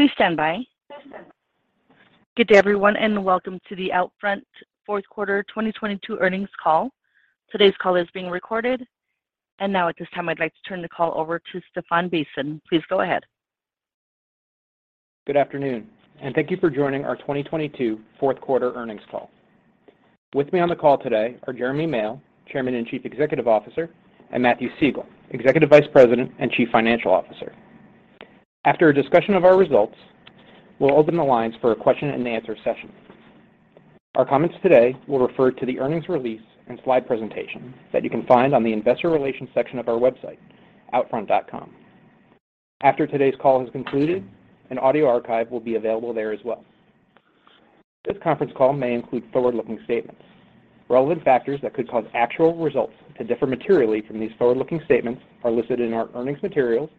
Please stand by. Good day everyone and welcome to the Outfront fourth quarter 2022 earnings call. Today's call is being recorded. Now at this time, I'd like to turn the call over to Stephan Bisson. Please go ahead. Good afternoon. Thank you for joining our 2022 fourth quarter earnings call. With me on the call today are Jeremy Male, Chairman and Chief Executive Officer, and Matthew Siegel, Executive Vice President and Chief Financial Officer. After a discussion of our results, we'll open the lines for a question and answer session. Our comments today will refer to the earnings release and slide presentation that you can find on the investor relations section of our website, outfront.com. After today's call has concluded, an audio archive will be available there as well. This conference call may include forward-looking statements. Relevant factors that could cause actual results to differ materially from these forward-looking statements are listed in our earnings materials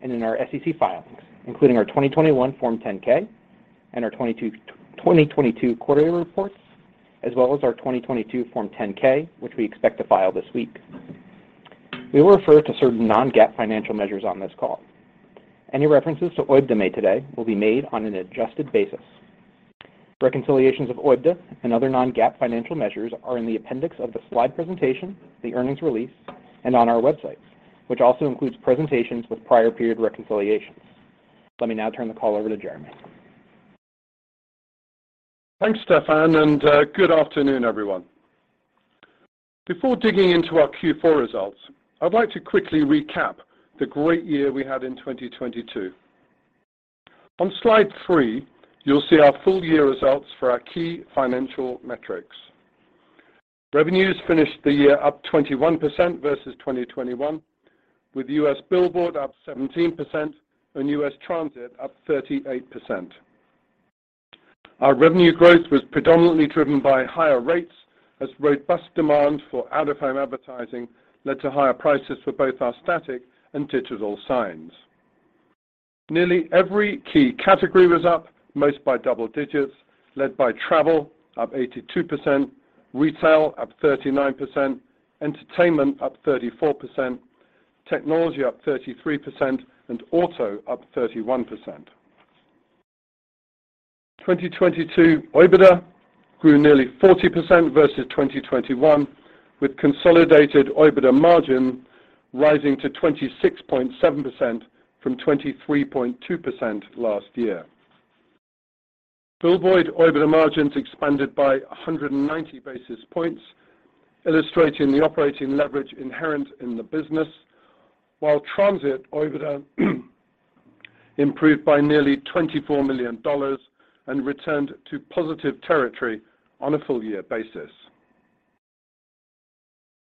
and in our SEC filings, including our 2021 Form 10-K. 2022 quarterly reports, as well as our 2022 Form 10-K, which we expect to file this week. We will refer to certain non-GAAP financial measures on this call. Any references to OIBDA made today will be made on an adjusted basis. Reconciliations of OIBDA and other non-GAAP financial measures are in the appendix of the slide presentation, the earnings release, and on our website, which also includes presentations with prior period reconciliations. Let me now turn the call over to Jeremy. Thanks, Stephan, good afternoon, everyone. Before digging into our Q4 results, I'd like to quickly recap the great year we had in 2022. On slide three, you'll see our full year results for our key financial metrics. Revenues finished the year up 21% versus 2021, with U.S. billboard up 17% and U.S. transit up 38%. Our revenue growth was predominantly driven by higher rates as robust demand for out-of-home advertising led to higher prices for both our static and digital signs. Nearly every key category was up, most by double digits, led by travel up 82%, retail up 39%, entertainment up 34%, technology up 33%, and auto up 31%. 2022 OIBDA grew nearly 40% versus 2021, with consolidated OIBDA margin rising to 26.7% from 23.2% last year. Billboard OIBDA margins expanded by 190 basis points, illustrating the operating leverage inherent in the business, while transit OIBDA improved by nearly $24 million and returned to positive territory on a full year basis.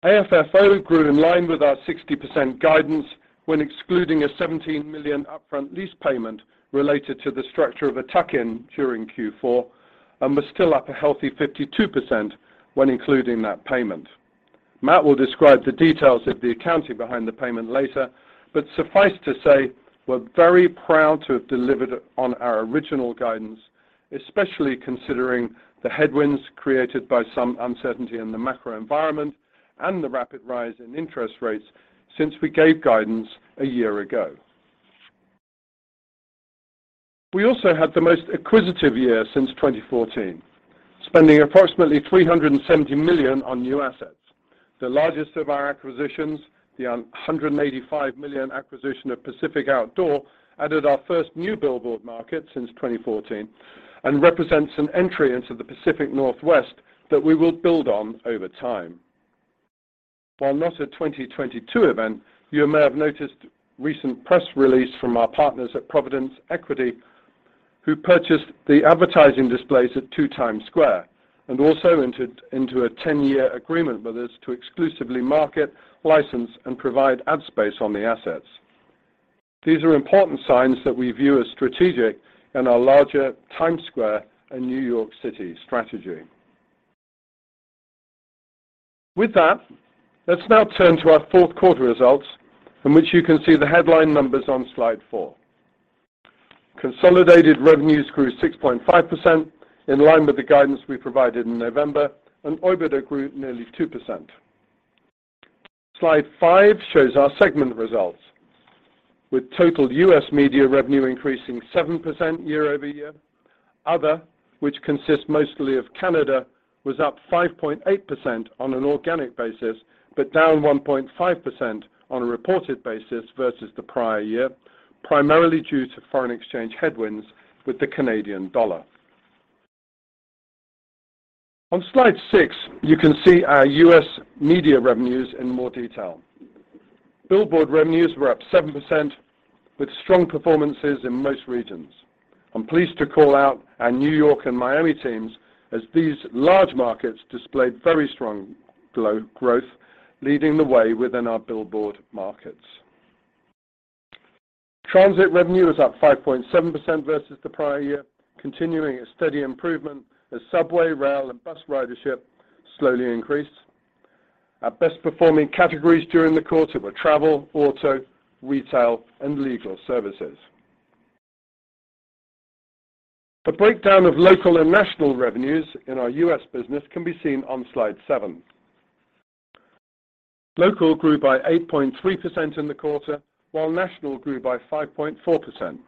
AFFO grew in line with our 60% guidance when excluding a $17 million upfront lease payment related to the structure of a tuck-in during Q4 and was still up a healthy 52% when including that payment. Matt will describe the details of the accounting behind the payment later, but suffice to say, we're very proud to have delivered on our original guidance, especially considering the headwinds created by some uncertainty in the macro environment and the rapid rise in interest rates since we gave guidance a year ago. We also had the most acquisitive year since 2014, spending approximately $370 million on new assets. The largest of our acquisitions, the $185 million acquisition of Pacific Outdoor, added our first new billboard market since 2014 and represents an entry into the Pacific Northwest that we will build on over time. While not a 2022 event, you may have noticed recent press release from our partners at Providence Equity, who purchased the advertising displays at two Times Square and also entered into a 10-year agreement with us to exclusively market, license, and provide ad space on the assets. These are important signs that we view as strategic in our larger Times Square and New York City strategy. With that, let's now turn to our fourth quarter results, from which you can see the headline numbers on slide four. Consolidated revenues grew 6.5%, in line with the guidance we provided in November, and OIBDA grew nearly 2%. Slide five shows our segment results, with total U.S. media revenue increasing 7% year-over-year. Other, which consists mostly of Canada, was up 5.8% on an organic basis, down 1.5% on a reported basis versus the prior year, primarily due to foreign exchange headwinds with the Canadian dollar. On slide six, you can see our U.S. media revenues in more detail. Billboard revenues were up 7%, with strong performances in most regions. I'm pleased to call out our New York and Miami teams as these large markets displayed very strong growth, leading the way within our billboard markets. Transit revenue is up 5.7% versus the prior year, continuing a steady improvement as subway, rail, and bus ridership slowly increased. Our best performing categories during the quarter were travel, auto, retail, and legal services. The breakdown of local and national revenues in our U.S. business can be seen on slide seven. Local grew by 8.3% in the quarter, while national grew by 5.4%.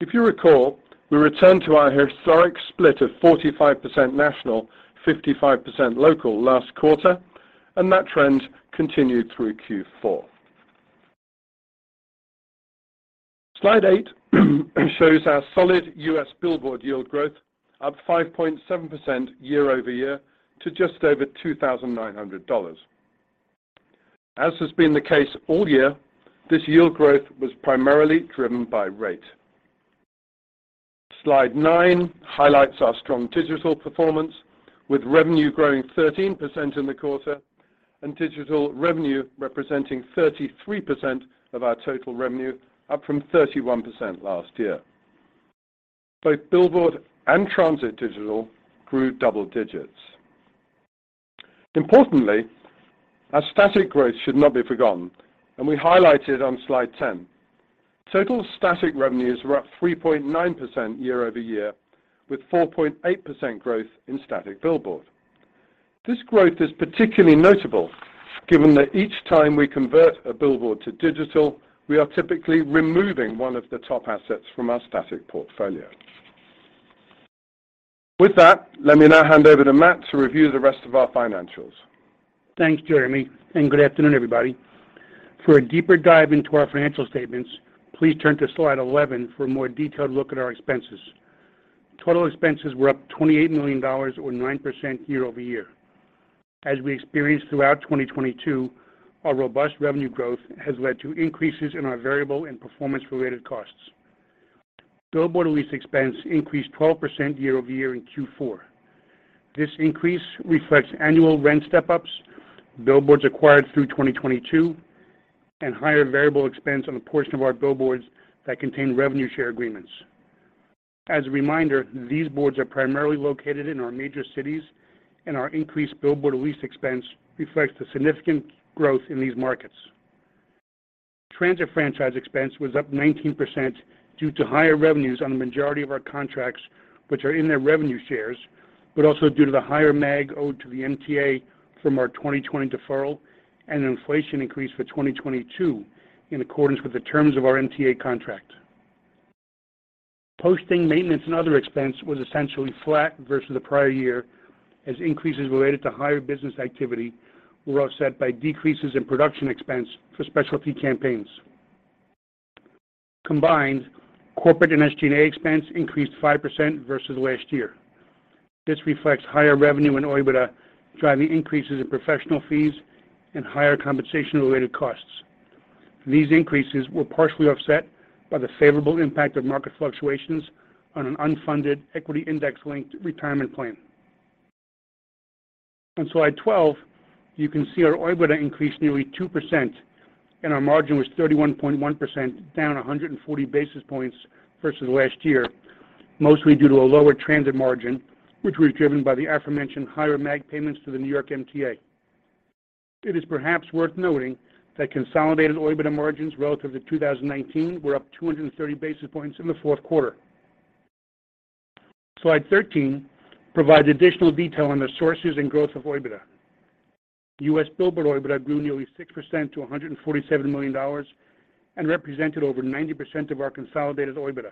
If you recall, we returned to our historic split of 45% national, 55% local last quarter, and that trend continued through Q4. Slide eight shows our solid U.S. billboard yield growth up 5.7% year-over-year to just over $2,900. As has been the case all year, this yield growth was primarily driven by rate. Slide nine highlights our strong digital performance, with revenue growing 13% in the quarter and digital revenue representing 33% of our total revenue, up from 31% last year. Both billboard and transit digital grew double digits. Importantly, our static growth should not be forgotten, and we highlight it on slide 10. Total static revenues were up 3.9% year-over-year, with 4.8% growth in static billboard. This growth is particularly notable given that each time we convert a billboard to digital, we are typically removing one of the top assets from our static portfolio. With that, let me now hand over to Matt to review the rest of our financials. Thanks, Jeremy. Good afternoon, everybody. For a deeper dive into our financial statements, please turn to slide 11 for a more detailed look at our expenses. Total expenses were up $28 million or 9% year-over-year. As we experienced throughout 2022, our robust revenue growth has led to increases in our variable and performance related costs. Billboard lease expense increased 12% year-over-year in Q4. This increase reflects annual rent step ups, billboards acquired through 2022, and higher variable expense on a portion of our billboards that contain revenue share agreements. As a reminder, these boards are primarily located in our major cities. Our increased billboard lease expense reflects the significant growth in these markets. Transit franchise expense was up 19% due to higher revenues on the majority of our contracts, which are in their revenue shares, but also due to the higher MAG owed to the MTA from our 2020 deferral and an inflation increase for 2022 in accordance with the terms of our MTA contract. Posting maintenance and other expense was essentially flat versus the prior year as increases related to higher business activity were offset by decreases in production expense for specialty campaigns. Combined, corporate and SG&A expense increased 5% versus last year. This reflects higher revenue and OIBDA, driving increases in professional fees and higher compensation related costs. These increases were partially offset by the favorable impact of market fluctuations on an unfunded equity index linked retirement plan. On Slide 12, you can see our OIBDA increased nearly 2% and our margin was 31.1%, down 140 basis points versus last year, mostly due to a lower transit margin, which was driven by the aforementioned higher MAG payments to the New York MTA. It is perhaps worth noting that consolidated OIBDA margins relative to 2019 were up 230 basis points in the fourth quarter. Slide 13 provides additional detail on the sources and growth of OIBDA. U.S. billboard OIBDA grew nearly 6% to $147 million and represented over 90% of our consolidated OIBDA.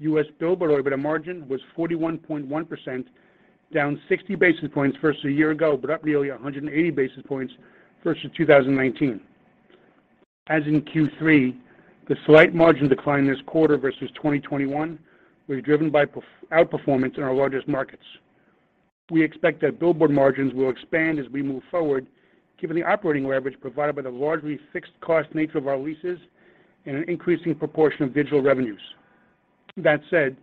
U.S. billboard OIBDA margin was 41.1%, down 60 basis points versus a year ago, but up nearly 180 basis points versus 2019. As in Q3, the slight margin decline this quarter versus 2021 was driven by outperformance in our largest markets. We expect that billboard margins will expand as we move forward, given the operating leverage provided by the largely fixed cost nature of our leases and an increasing proportion of digital revenues. That said,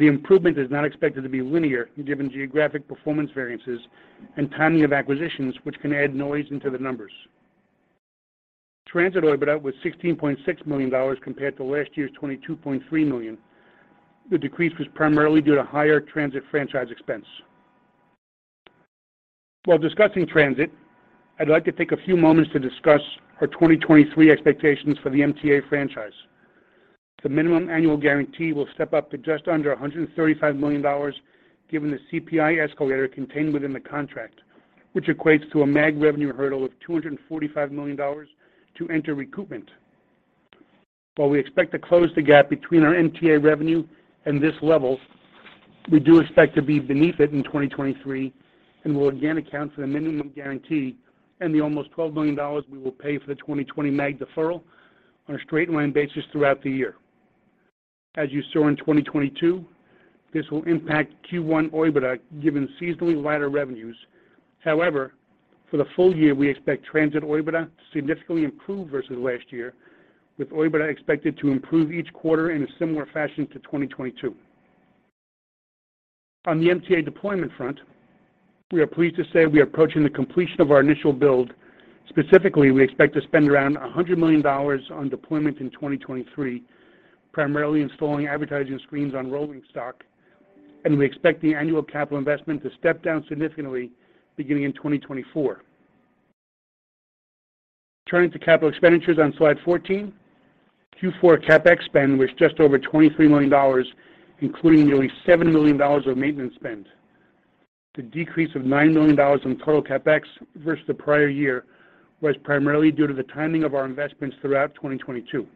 the improvement is not expected to be linear given geographic performance variances and timing of acquisitions, which can add noise into the numbers. Transit OIBDA was $16.6 million compared to last year's $22.3 million. The decrease was primarily due to higher transit franchise expense. While discussing transit, I'd like to take a few moments to discuss our 2023 expectations for the MTA franchise. The minimum annual guarantee will step up to just under $135 million, given the CPI escalator contained within the contract, which equates to a MAG revenue hurdle of $245 million to enter recoupment. While we expect to close the gap between our MTA revenue and this level, we do expect to be beneath it in 2023 and will again account for the minimum guarantee and the almost $12 million we will pay for the 2020 MAG deferral on a straight line basis throughout the year. As you saw in 2022, this will impact Q1 OIBDA, given seasonally lighter revenues. However, for the full year, we expect transit OIBDA to significantly improve versus last year, with OIBDA expected to improve each quarter in a similar fashion to 2022. On the MTA deployment front, we are pleased to say we are approaching the completion of our initial build. Specifically, we expect to spend around $100 million on deployment in 2023, primarily installing advertising screens on rolling stock, and we expect the annual capital investment to step down significantly beginning in 2024. Turning to capital expenditures on slide 14, Q4 CapEx spend was just over $23 million, including nearly $7 million of maintenance spend. The decrease of $9 million in total CapEx versus the prior year was primarily due to the timing of our investments throughout 2022.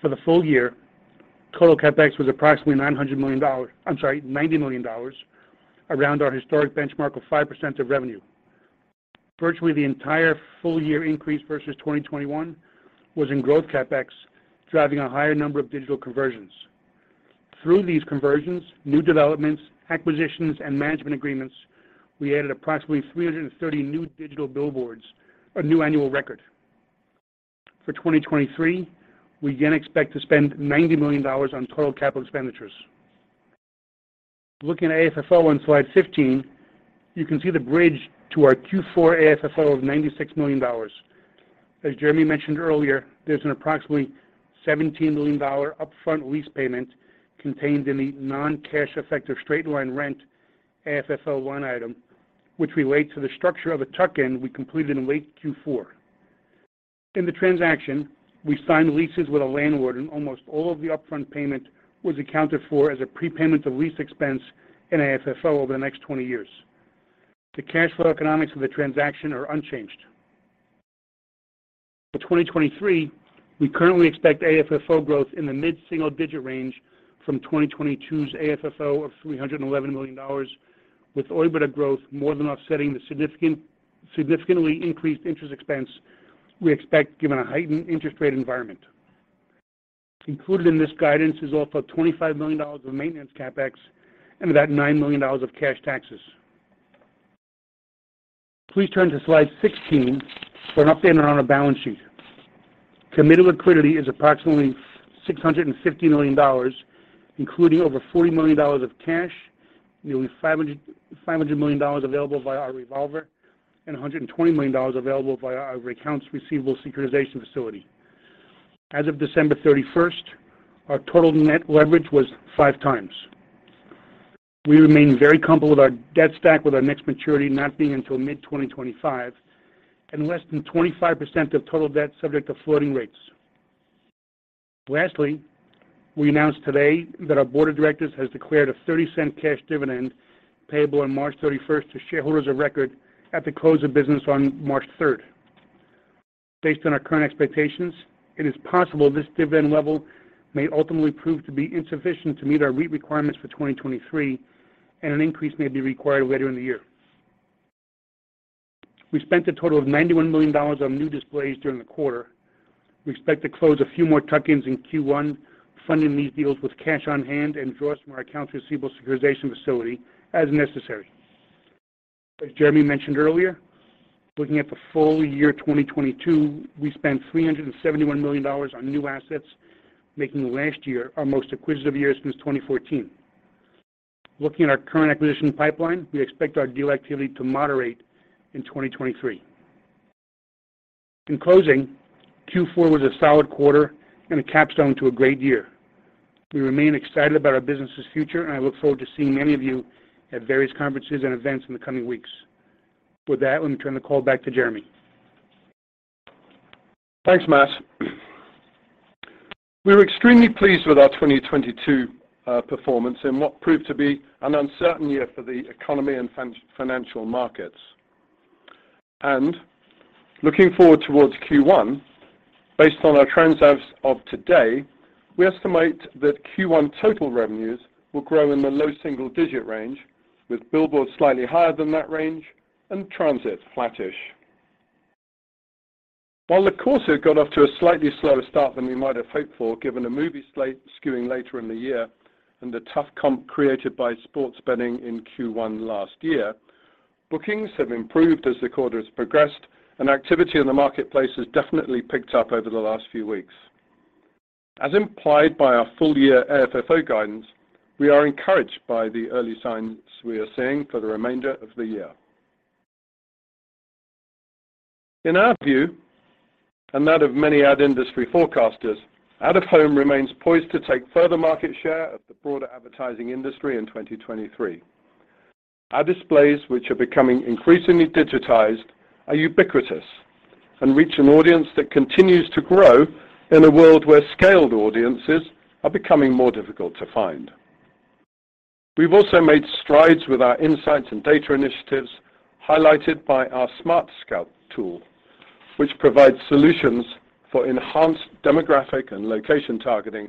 For the full year, total CapEx was approximately $90 million, around our historic benchmark of 5% of revenue. Virtually the entire full year increase versus 2021 was in growth CapEx, driving a higher number of digital conversions. Through these conversions, new developments, acquisitions, and management agreements, we added approximately 330 new digital billboards, a new annual record. For 2023, we again expect to spend $90 million on total CapEx. Looking at AFFO on slide 15, you can see the bridge to our Q4 AFFO of $96 million. As Jeremy mentioned earlier, there's an approximately $17 million upfront lease payment contained in the non-cash effective straight-line rent AFFO 1 item, which relates to the structure of a tuck-in we completed in late Q4. In the transaction, we signed leases with a landlord and almost all of the upfront payment was accounted for as a prepayment of lease expense in AFFO over the next 20 years. The cash flow economics of the transaction are unchanged. For 2023, we currently expect AFFO growth in the mid-single digit range from 2022's AFFO of $311 million, with EBITDA growth more than offsetting the significantly increased interest expense we expect given a heightened interest rate environment. Included in this guidance is also $25 million of maintenance CapEx and about $9 million of cash taxes. Please turn to slide 16 for an update on our balance sheet. Committed liquidity is approximately $650 million, including over $40 million of cash, nearly $500 million available via our revolver, and $120 million available via our accounts receivable securitization facility. As of December 31st, our total net leverage was five times. We remain very comfortable with our debt stack, with our next maturity not being until mid-2025 and less than 25% of total debt subject to floating rates. Lastly, we announced today that our board of directors has declared a $0.30 cash dividend payable on March 31st to shareholders of record at the close of business on March 3rd. Based on our current expectations, it is possible this dividend level may ultimately prove to be insufficient to meet our REIT requirements for 2023, and an increase may be required later in the year. We spent a total of $91 million on new displays during the quarter. We expect to close a few more tuck-ins in Q1, funding these deals with cash on hand and draws from our accounts receivable securitization facility as necessary. As Jeremy mentioned earlier, looking at the full year 2022, we spent $371 million on new assets, making last year our most acquisitive year since 2014. Looking at our current acquisition pipeline, we expect our deal activity to moderate in 2023. In closing, Q4 was a solid quarter and a capstone to a great year. We remain excited about our business's future, and I look forward to seeing many of you at various conferences and events in the coming weeks. With that, let me turn the call back to Jeremy. Thanks, Matt. We were extremely pleased with our 2022 performance in what proved to be an uncertain year for the economy and financial markets. Looking forward towards Q1, based on our trends as of today, we estimate that Q1 total revenues will grow in the low single-digit range, with billboard slightly higher than that range and transit flattish. While the quarter got off to a slightly slower start than we might have hoped for, given a movie slate skewing later in the year and the tough comp created by sports betting in Q1 last year, bookings have improved as the quarter has progressed, activity in the marketplace has definitely picked up over the last few weeks. As implied by our full year AFFO guidance, we are encouraged by the early signs we are seeing for the remainder of the year. In our view and that of many ad industry forecasters, out-of-home remains poised to take further market share of the broader advertising industry in 2023. Ad displays, which are becoming increasingly digitized, are ubiquitous and reach an audience that continues to grow in a world where scaled audiences are becoming more difficult to find. We've also made strides with our insights and data initiatives highlighted by our Smart Scout tool, which provides solutions for enhanced demographic and location targeting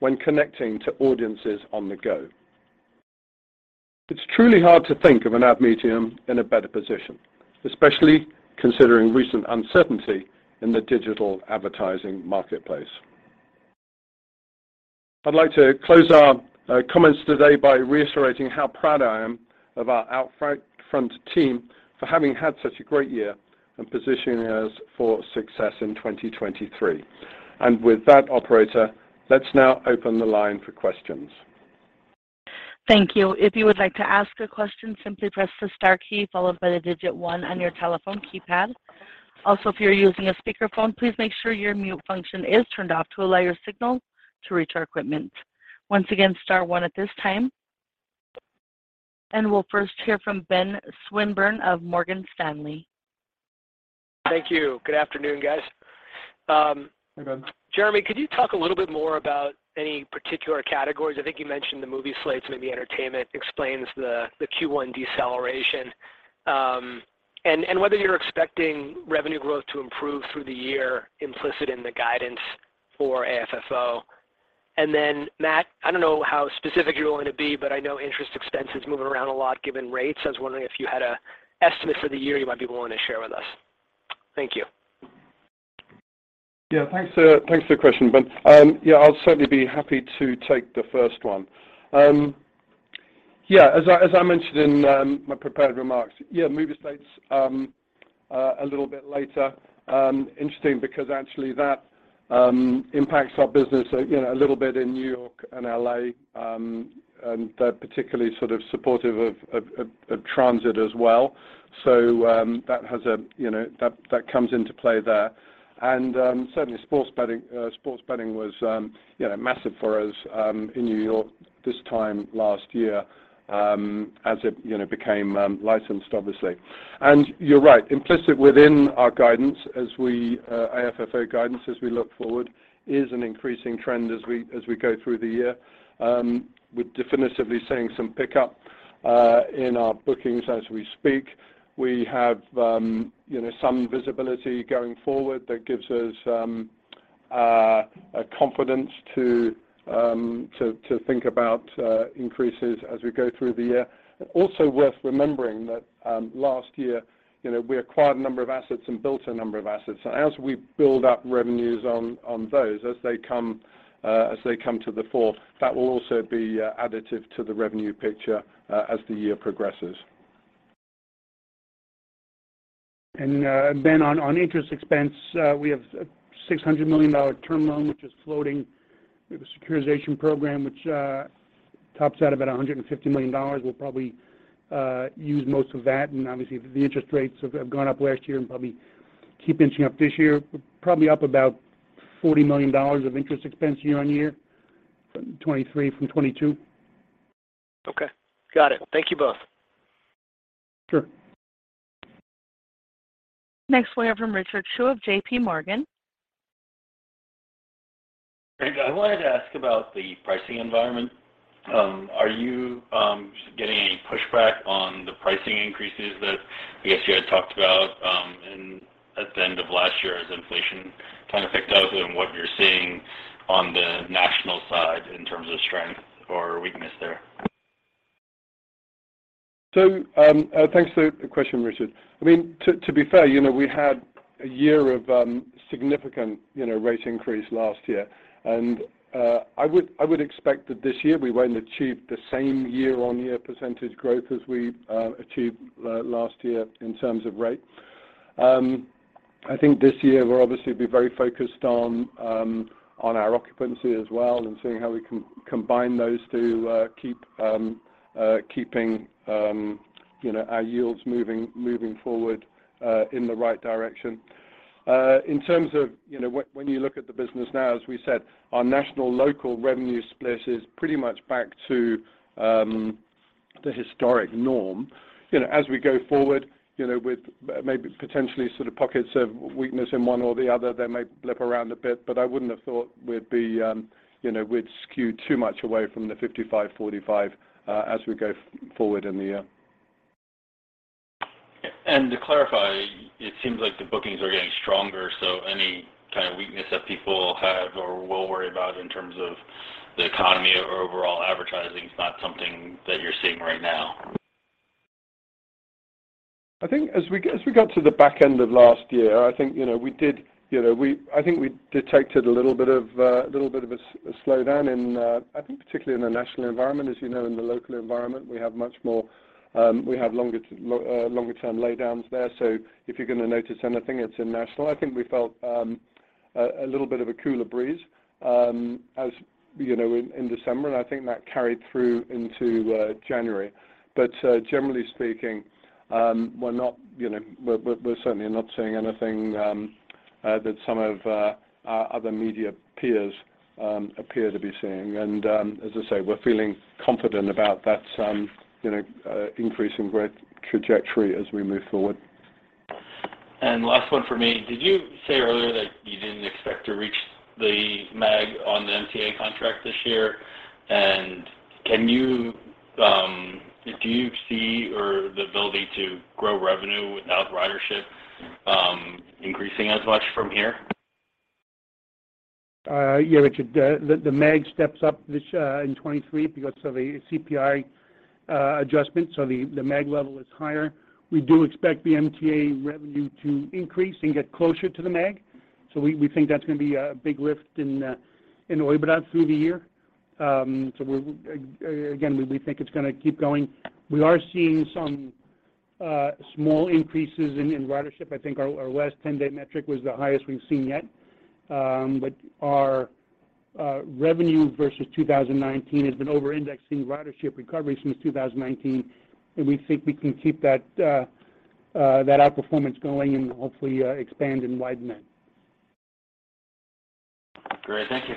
when connecting to audiences on the go. It's truly hard to think of an ad medium in a better position, especially considering recent uncertainty in the digital advertising marketplace. I'd like to close our comments today by reiterating how proud I am of our OUTFRONT team for having had such a great year and positioning us for success in 2023. With that, operator, let's now open the line for questions. Thank you. If you would like to ask a question, simply press the star key followed by the digit one on your telephone keypad. Also, if you're using a speakerphone, please make sure your mute function is turned off to allow your signal to reach our equipment. Once again, star one at this time. We'll first hear from Benjamin Swinburne of Morgan Stanley. Thank you. Good afternoon, guys. Hey, Ben. Jeremy, could you talk a little bit more about any particular categories? I think you mentioned the movie slates, maybe entertainment explains the Q1 deceleration, and whether you're expecting revenue growth to improve through the year implicit in the guidance for AFFO. Then, Matt, I don't know how specific you're willing to be, but I know interest expense is moving around a lot given rates. I was wondering if you had a estimate for the year you might be willing to share with us. Thank you. Thanks for the question, Ben. Yeah, I'll certainly be happy to take the first one. Yeah, as I mentioned in my prepared remarks, yeah, movie slates a little bit later, interesting because actually that impacts our business, you know, a little bit in New York and L.A., and they're particularly sort of supportive of transit as well. That has a, you know, that comes into play there. Certainly sports betting was, you know, massive for us in New York this time last year, as it, you know, became licensed obviously. You're right. Implicit within our guidance as we AFFO guidance, as we look forward is an increasing trend as we go through the year, with definitively seeing some pickup in our bookings as we speak. We have, you know, some visibility going forward that gives us a confidence to think about increases as we go through the year. Also worth remembering that last year, you know, we acquired a number of assets and built a number of assets. As we build up revenues on those, as they come to the fore, that will also be additive to the revenue picture as the year progresses. Ben on interest expense, we have a $600 million term loan, which is floating. We have a securitization program, which tops out about $150 million. We'll probably use most of that. Obviously the interest rates have gone up last year and probably keep inching up this year. Probably up about $40 million of interest expense year-on-year, from 2023 from 2022. Okay. Got it. Thank you both. Sure. Next we have from Richard Choe of J.P. Morgan. Thanks. I wanted to ask about the pricing environment. Are you getting any pushback on the pricing increases that I guess you had talked about at the end of last year as inflation kind of picked up and what you're seeing on the national side in terms of strength or weakness there? Thanks for the question, Richard. I mean, to be fair, you know, we had a year of significant, you know, rate increase last year. I would expect that this year we won't achieve the same year-over-year percentage growth as we achieved last year in terms of rate. I think this year we'll obviously be very focused on our occupancy as well and seeing how we can combine those to keep keeping, you know, our yields moving forward in the right direction. In terms of, you know, when you look at the business now, as we said, our national local revenue split is pretty much back to the historic norm. You know, as we go forward, you know, with maybe potentially sort of pockets of weakness in one or the other, they may blip around a bit, but I wouldn't have thought we'd be, you know, we'd skew too much away from the 55, 45, as we go forward in the year. To clarify, it seems like the bookings are getting stronger, so any kind of weakness that people have or will worry about in terms of the economy or overall advertising is not something that you're seeing right now. I think as we got to the back end of last year, I think, you know, we detected a little bit of a slowdown in, I think particularly in the national environment. As you know, in the local environment, we have much more, we have longer term laydowns there. If you're gonna notice anything, it's in national. I think we felt a little bit of a cooler breeze, as you know, in December, and I think that carried through into January. Generally speaking, we're not, you know, we're certainly not seeing anything that some of our other media peers appear to be seeing. As I say, we're feeling confident about that, you know, increase in growth trajectory as we move forward. Last one for me. Did you say earlier that you didn't expect to reach the MAG on the MTA contract this year? Can you, did you see the ability to grow revenue without ridership increasing as much from here? Richard, the MAG steps up this in 2023 because of a CPI adjustment, so the MAG level is higher. We do expect the MTA revenue to increase and get closer to the MAG. We think that's gonna be a big lift in OIBDA through the year. We're again, we think it's gonna keep going. We are seeing some small increases in ridership. I think our last 10-day metric was the highest we've seen yet. Our revenue versus 2019 has been over-indexing ridership recovery since 2019, and we think we can keep that outperformance going and hopefully expand and widen that. Great. Thank you.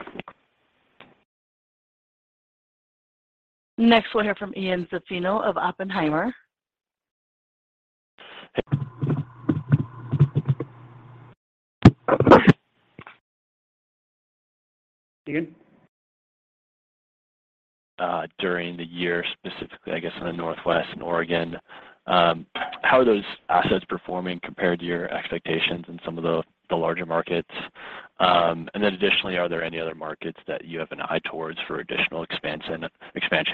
Next we'll hear from Ian Zaffino of Oppenheimer. Ian? During the year specifically, I guess, in the Northwest, in Oregon, how are those assets performing compared to your expectations in some of the larger markets? Additionally, are there any other markets that you have an eye towards for additional expansion?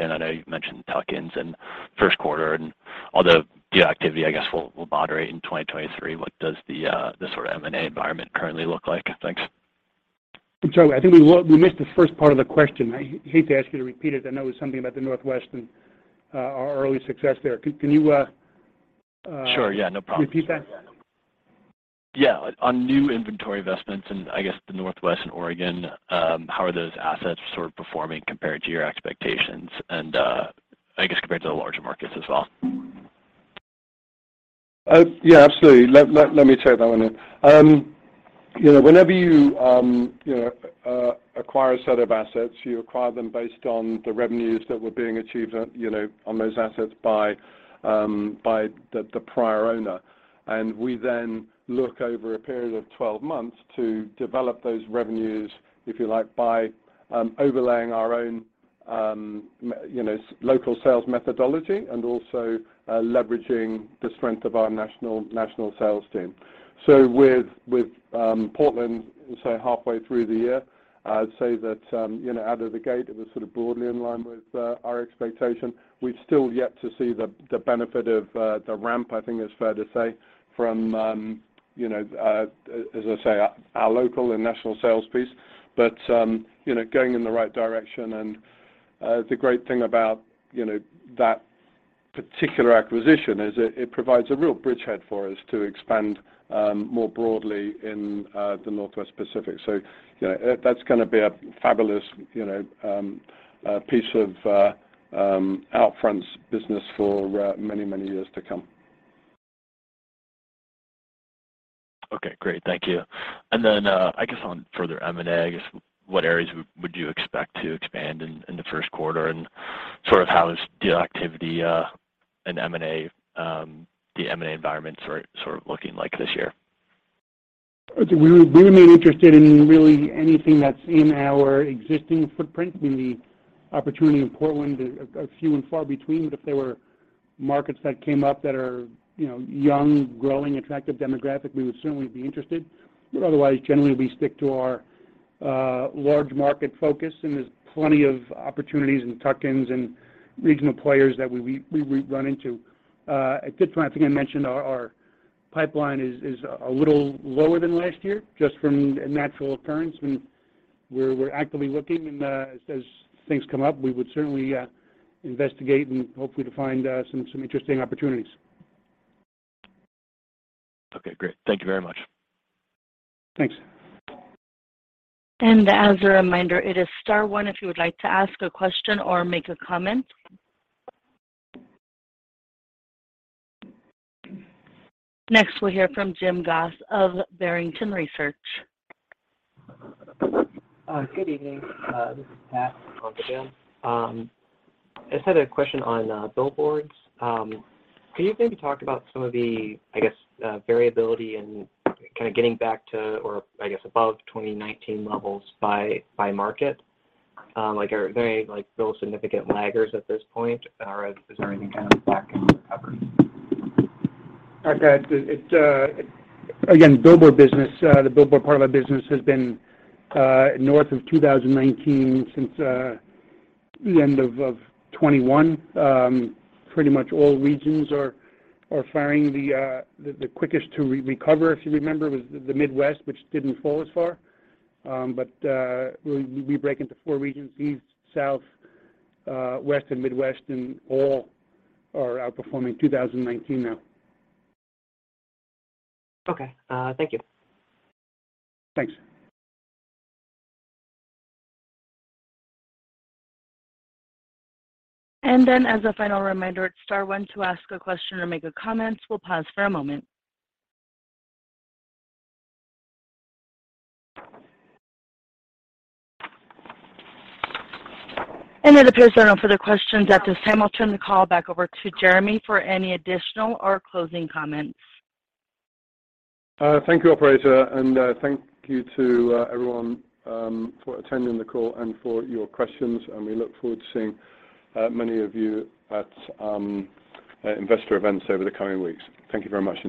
I know you've mentioned tuck-ins in first quarter and although deal activity, I guess, will moderate in 2023, what does the sort of M&A environment currently look like? Thanks. I'm sorry. I think we missed the first part of the question. I hate to ask you to repeat it. I know it was something about the Northwest and our early success there. Can you? Sure, yeah, no problem. Repeat that? On new inventory investments in, I guess, the Northwest and Oregon, how are those assets sort of performing compared to your expectations and, I guess, compared to the larger markets as well? Yeah, absolutely. Let me take that one then. You know, acquire a set of assets, you acquire them based on the revenues that were being achieved, you know, on those assets by the prior owner. We then look over a period of 12 months to develop those revenues, if you like, by overlaying our own, you know, local sales methodology and also leveraging the strength of our national sales team. With Portland, say halfway through the year, I'd say that, you know, out of the gate it was sort of broadly in line with our expectation. We've still yet to see the benefit of the ramp, I think it's fair to say, from, you know, as I say, our local and national sales piece. You know, going in the right direction and the great thing about, you know, that particular acquisition is it provides a real bridgehead for us to expand more broadly in the Pacific Northwest. You know, that's gonna be a fabulous, you know, piece of OUTFRONT's business for many, many years to come. Okay, great. Thank you. I guess on further M&A, I guess what areas would you expect to expand in the first quarter and sort of how is deal activity and M&A, the M&A environment sort of looking like this year? I think we remain interested in really anything that's in our existing footprint. I mean, the opportunity in Portland are few and far between, but if there were markets that came up that are, you know, young, growing, attractive demographically, we would certainly be interested. Otherwise, generally we stick to our large market focus, and there's plenty of opportunities and tuck-ins and regional players that we run into. A good point I think I mentioned, our pipeline is a little lower than last year just from natural occurrence. We're actively looking and as things come up, we would certainly investigate and hopefully to find some interesting opportunities. Okay. Great. Thank you very much. Thanks. As a reminder, it is star one if you would like to ask a question or make a comment. Next we'll hear from Jim Goss of Barrington Research. Good evening. This is Pat on for Jim. I just had a question on billboards. Can you maybe talk about some of the, I guess, variability in kind of getting back to or, I guess, above 2019 levels by market? Like are there any like bill significant laggers at this point, or is there any kind of lag in recovery? Okay. It's again, billboard business, the billboard part of our business has been north of 2019 since the end of 2021. Pretty much all regions are faring the quickest to recover, if you remember, was the Midwest, which didn't fall as far. We break into four regions East, South, West, and Midwest, and all are outperforming 2019 now. Okay. Thank you. Thanks. As a final reminder, it's star one to ask a question or make a comment. We'll pause for a moment. It appears there are no further questions at this time. I'll turn the call back over to Jeremy for any additional or closing comments. Thank you, operator, and thank you to everyone for attending the call and for your questions, and we look forward to seeing many of you at investor events over the coming weeks. Thank you very much indeed.